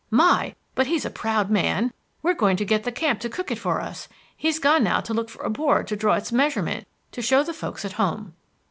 My! but he's a proud man! We're going to get the camp to cook it for us. He's gone now to look for a board to draw its measurements to show the folks at home."